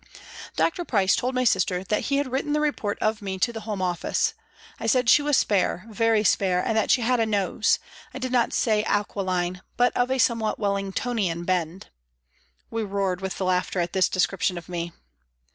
Dr. Price told my sister that he had written the report of me to the Home Office. " I said she was spare, very spare, and that she had a nose I did not say aquiline, but of a somewhat Wellingtonian bend." We roared with laughter at this description of me.